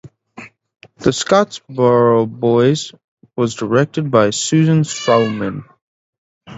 "The Scottsboro Boys" was directed by Susan Stroman.